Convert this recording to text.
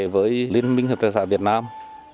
với liên minh hợp tài sản việt nam